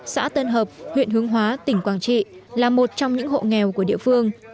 xã tân hợp huyện hướng hóa tỉnh quảng trị là một trong những hộ nghèo của địa phương